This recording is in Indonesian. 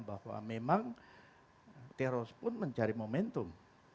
bahwa memang teroris pun mencari momentum